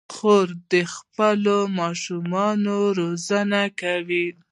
خور د خپلو ماشومانو روزنه کوي.